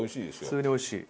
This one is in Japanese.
普通においしい。